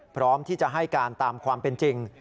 พร้อมที่จะให้การตามความเป็นจริง